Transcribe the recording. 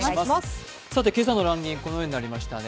今朝のランキングはこのようになりましたね。